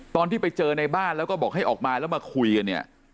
ตอนที่ไปเจอในบ้านแล้วก็บอกให้ออกมาแล้วมาคุยกันเนี่ย